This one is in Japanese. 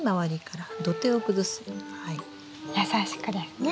優しくですね？